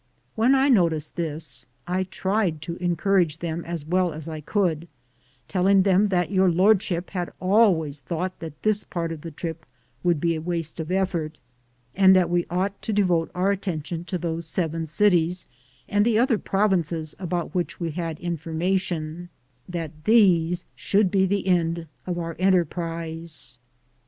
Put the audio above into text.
When I noticed this, I tried to encourage them as well as I could, telling them that Tour Lordship had always thought that this part of the trip would be a waste of effort, and that we ought to devote our attention to those Seven Cities and the other provinces about which we had information—that these should be the end of our enterprise.